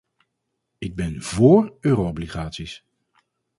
Ik ben vóór euro-obligaties.